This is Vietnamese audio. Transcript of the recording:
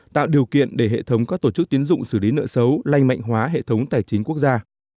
tạo điều kiện để hệ thống các tổ chức tiến dụng xử lý nợ xấu lanh mạnh hóa hệ thống tài chính quốc gia